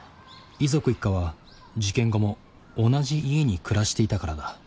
遺族一家は事件後も同じ家に暮らしていたからだ。